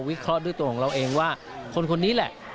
เคราะห์ด้วยตัวของเราเองว่าคนคนนี้แหละ